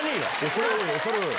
恐れ多い、恐れ多い。